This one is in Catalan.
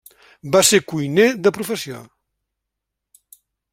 Va ser cuiner de professió.